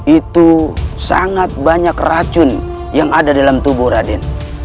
itu sangat banyak racun yang ada dalam tubuh raden